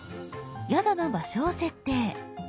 宿の場所を設定。